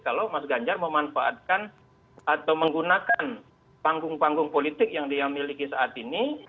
kalau mas ganjar memanfaatkan atau menggunakan panggung panggung politik yang dia miliki saat ini